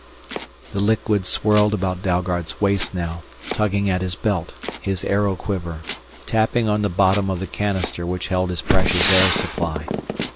The liquid swirled about Dalgard's waist now, tugging at his belt, his arrow quiver, tapping on the bottom of the canister which held his precious air supply.